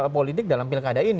politik dalam pilkada ini